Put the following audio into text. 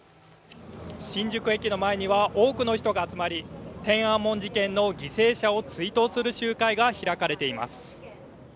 新宿駅の前には多くの人が集まり、天安門事件の犠牲者を追悼する集会が開かれています。